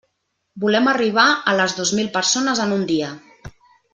Volem arribar a les dos mil persones en un dia!